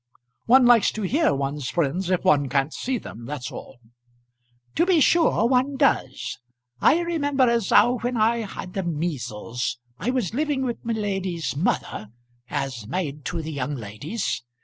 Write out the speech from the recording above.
"One likes to hear one's friends if one can't see them; that's all." "To be sure one does. I remember as how when I had the measles I was living with my lady's mother, as maid to the young ladies.